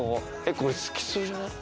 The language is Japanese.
これ好きそうじゃない？